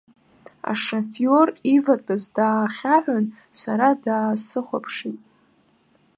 Ашафиор иватәаз даахьаҳәын, сара даасыхәаԥшит.